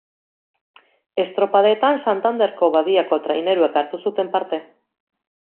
Estropadetan Santanderko badiako traineruek hartu zuten parte.